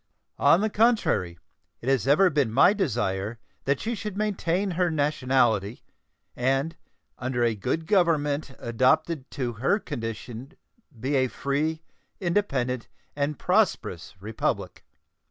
On the contrary, it has ever been my desire that she should maintain her nationality, and under a good government adapted to her condition be a free, independent, and prosperous Republic.